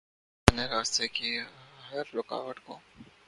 پنے راستے کی ہر رکاوٹ کو